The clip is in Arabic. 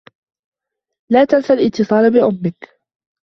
لا تنس الاتصال بأمّك.